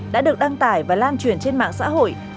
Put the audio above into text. đã được đăng tải và lan truyền trên mạng xã hội